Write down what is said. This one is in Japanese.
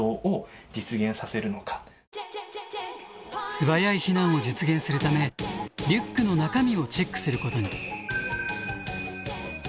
素早い避難を実現するためリュックの中身をチェックすることに。